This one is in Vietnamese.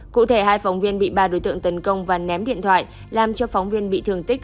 cụ thể hai phóng viên bị ba đối tượng tấn công và ném điện thoại làm cho phóng viên bị thương tích